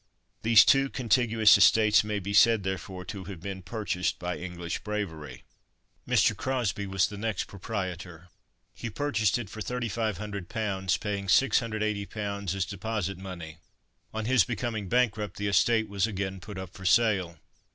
These two contiguous estates may be said, therefore, to have been purchased by English bravery. Mr. Crosbie was the next proprietor. He purchased it for 3500 pounds, paying 680 pounds as deposit money. On his becoming bankrupt the estate was again put up for sale.